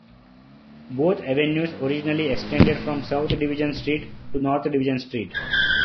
Both avenues originally extended from South Division Street to North Division Street.